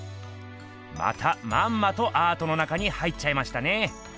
またまんまとアートの中に入っちゃいましたね。